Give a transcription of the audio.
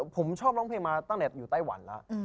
ผมชอบร้องเพลงมาตั้งแต่อยู่ไต้หวันแล้ว